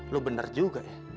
lu benar juga ya